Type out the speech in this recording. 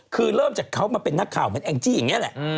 คือเริ่มจากเขามาเป็นนักข่าวเหมือนแองจี้อย่างนี้แหละ